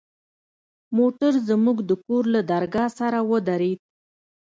موټر زموږ د کور له درگاه سره ودرېد.